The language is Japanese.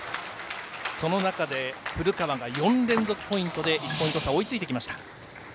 その中で古川が４連続ポイントで１ポイント差追いついてきました。